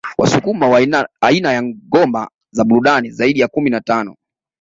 Wasukuma wana aina ya ngoma za burudani zaidi ya kumi na tano